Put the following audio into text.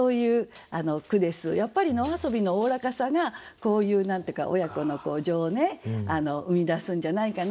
やっぱり野遊びのおおらかさがこういう何て言うか親子の情をね生み出すんじゃないかな。